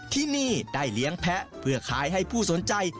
ที่นี่ได้เลี้ยงแพ้เพื่อขายให้ผู้สนใจ